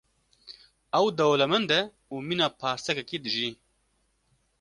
Ew dewlemend e û mîna parsekekî dijî.